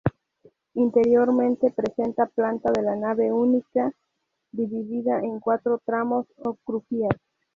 Interiormente presenta planta de la nave única, dividida en cuatro tramos o crujías.